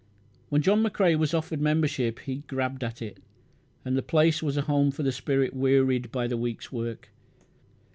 When John McCrae was offered membership he "grabbed at it", and the place was a home for the spirit wearied by the week's work.